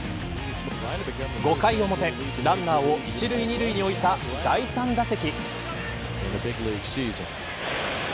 ５回表、ランナーを１塁、２塁に置いた第３打席。